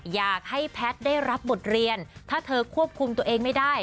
อยากให้แพทย์ได้รับบทเรียนถ้าเธอควบคุมตัวเองไม่ได้